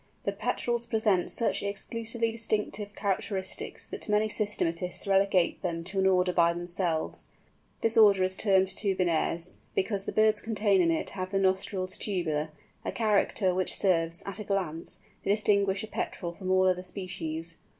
The Petrels present such exclusively distinctive characters that many systematists relegate them to an order by themselves. This order is termed Tubinares, because the birds contained in it have the nostrils tubular—a character which serves, at a glance, to distinguish a Petrel from all other species.